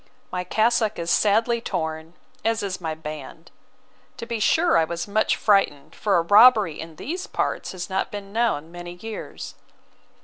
My cassock is sadly torn, as is my band. To be sure, I was much frightened, for a robbery in these parts has not been known many years.